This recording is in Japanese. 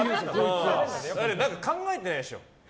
考えてないでしょ。